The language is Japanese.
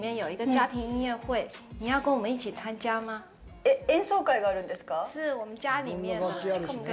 えっ、演奏会があるんですか！？